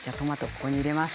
ここに入れます。